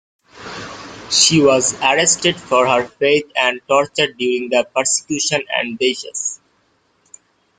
She was arrested for her faith and tortured during the persecution of Decius.